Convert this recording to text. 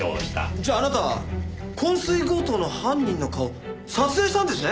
じゃああなたは昏睡強盗の犯人の顔を撮影したんですね？